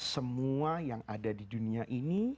semua yang ada di dunia ini